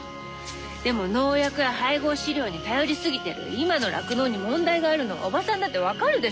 でも農薬や配合飼料に頼りすぎてる今の酪農に問題があるのはおばさんだって分かるでしょ。